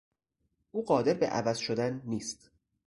او قادر به عوض شدن نیست.